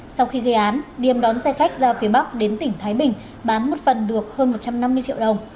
sau khi gây án điềm đón xe khách ra phía bắc đến tỉnh thái bình bán một phần được hơn một trăm năm mươi triệu đồng